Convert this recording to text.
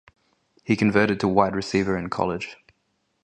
He converted to wide receiver in college.